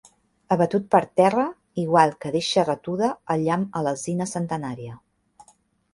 Abatut per terra, igual que deixa retuda el llamp a l'alzina centenària.